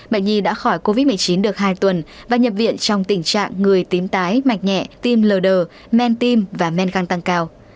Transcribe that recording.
bệnh nhi đã khỏi covid một mươi chín được hai tuần và nhập viện trong tình trạng người tím tái mạch nhẹ tim lờ đờ men tim và men căng tăng cao